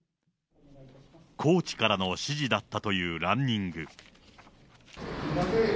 コーチからの指示だったというランニング。